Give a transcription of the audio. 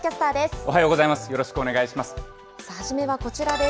おはようございます。